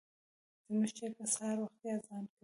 زموږ چرګه سهار وختي اذان کوي.